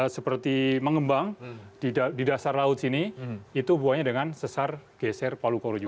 seperti mengembang di dasar laut sini itu hubungannya dengan sesar geser palu koro juga